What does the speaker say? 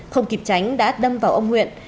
không kịp tránh đã đâm vào ông nguyễn